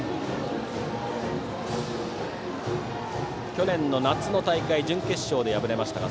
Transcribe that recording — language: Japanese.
去年の夏の大会準決勝で敗れましたが